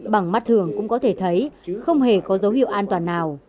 bằng mắt thường cũng có thể thấy không hề có dấu hiệu an toàn nào